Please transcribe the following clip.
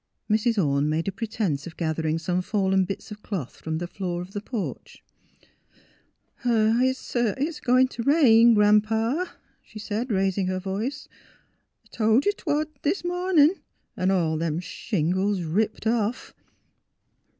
Mrs. Orne made pretence of gathering some fallen bits •of cloth from the floor of the porch. " It's a goin' t' rain, Gran 'pa," she said, rais ing her voice. " I tol' ye 't would this mornin', an 'all them shingles ripped off."